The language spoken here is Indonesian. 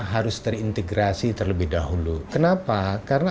baru mencapai dua puluh satu tujuh atau sekitar lima juta orang